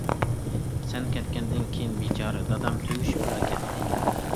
سەن كەتكەندىن كېيىن بىچارە دادام تۈگىشىپلا كەتتى.